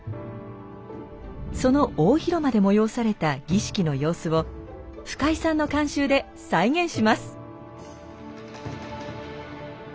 その大広間で催された儀式の様子を深井さんの監修で再現します。